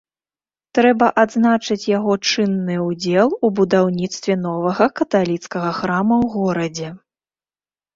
Трэба адзначыць яго чынны ўдзел у будаўніцтве новага каталіцкага храма ў горадзе.